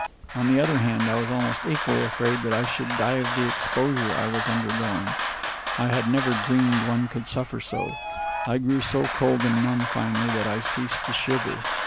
On the other hand, I was almost equally afraid that I should die of the exposure I was undergoing. I had never dreamed one could suffer so. I grew so cold and numb, finally, that I ceased to shiver.